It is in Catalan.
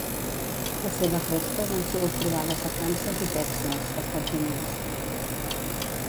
Les seves restes han sigut trobades a Kansas i Texas, Estats Units.